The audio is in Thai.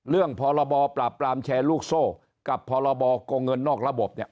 เรื่องพรบปราบปรามแชร์ลูกโซ่กับพรบกงนอกระบบเนี่ย